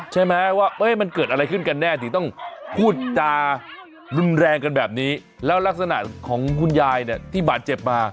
ใช่ไหมว่ามันเกิดอะไรขึ้นกันแน่ถึงต้องพูดจารุนแรงกันแบบนี้แล้วลักษณะของคุณยายเนี่ยที่บาดเจ็บมา